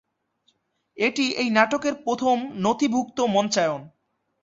এটি এই নাটকের প্রথম নথিভুক্ত মঞ্চায়ন।